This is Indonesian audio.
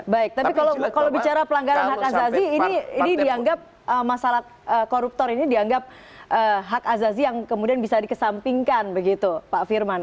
baik tapi kalau bicara pelanggaran hak azazi ini dianggap masalah koruptor ini dianggap hak azazi yang kemudian bisa dikesampingkan begitu pak firman